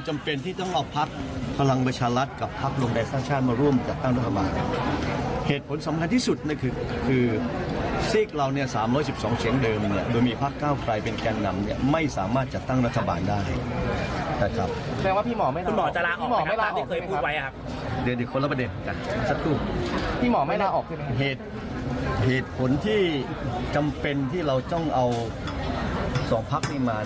เหตุผลที่จำเป็นที่เราต้องเอาสองพักนี้มา